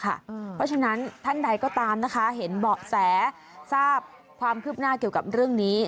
เพราะฉะนั้นท่านใดก็ตามนะคะเห็นเบาะแสทราบความคืบหน้าเกี่ยวกับเรื่องนี้